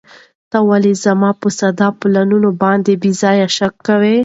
ته ولې زما په ساده پلانونو باندې بې ځایه شک کوې؟